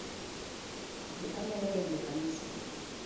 Be anyalo donjo e kanisa?